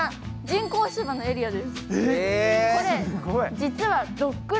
人工芝のエリアです。